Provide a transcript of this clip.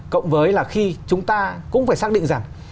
cộng với là khi chúng ta cũng phải xác định rằng